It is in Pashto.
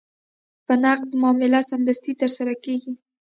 په نقد معامله سمدستي ترسره کېږي.